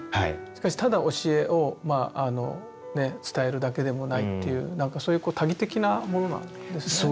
しかしただ教えを伝えるだけでもないっていうなんかそういう多義的なものなんですね。